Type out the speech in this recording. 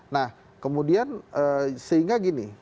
nah kemudian sehingga gini